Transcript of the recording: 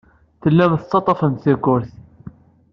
Tellam tettaḍḍafem-d takurt.